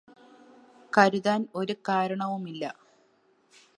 കരുതാന് ഒരു കാരണവുമില്ല